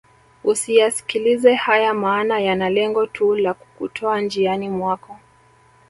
Usiyaskilize haya maana yana lengo tu la kukutoa njiani mwako